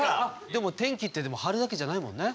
でも天気って晴れだけじゃないもんね。